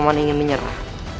kalau paman ingin menyerah